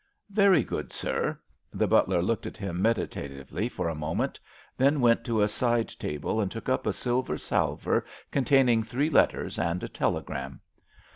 "Very good, sir." The butler looked at him meditatively for a moment, then went to a side table and took up a silver salver containing three letters and a telegram.